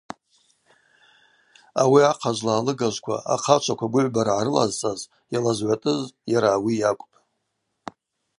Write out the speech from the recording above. Ауи ахъазла, алыгажвква, ахъачваква гвыгӏвбара гӏарылазцӏаз, йалазгӏватӏыз йара ауи йакӏвпӏ.